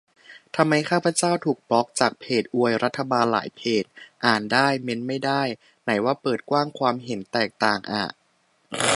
ทำไมข้าพเจ้าถูกบล็อคจากเพจอวยรัฐบาลหลายเพจ อ่านได้ เมนต์ไม่ได้ ไหนว่าเปิดกว้างความเห็นแตกต่างอะ